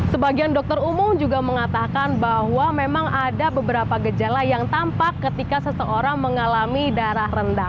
sebagian dokter umum juga mengatakan bahwa memang ada beberapa gejala yang tampak ketika seseorang mengalami darah rendah